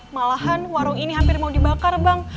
malahan warung ini hampir mau dibakar bang